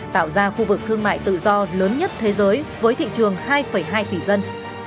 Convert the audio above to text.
tạo ra khu vực thương mại tự do lớn nhất thế giới với thị trường hai hai tỷ dân